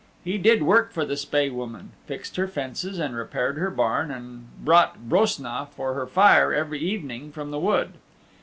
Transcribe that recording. He did work for the Spae Woman fixed her fences and repaired her barn and brought brosna for her fire every evening from the wood.